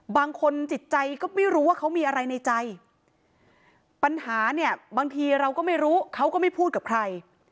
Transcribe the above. จิตใจก็ไม่รู้ว่าเขามีอะไรในใจปัญหาเนี่ยบางทีเราก็ไม่รู้เขาก็ไม่พูดกับใคร